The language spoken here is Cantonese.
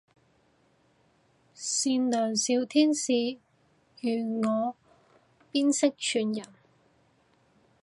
善良小天使如我邊識串人